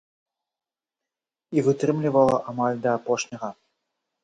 І вытрымлівала амаль да апошняга.